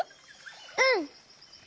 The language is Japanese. うん！